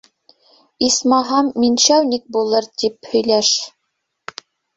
Исмаһам, миншәүник булыр ине, тип һөйләш.